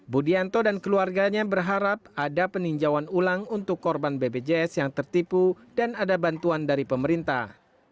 budianto dan keluarganya berharap ada peninjauan ulang untuk korban bpjs yang tertipu dan ada bantuan dari pemerintah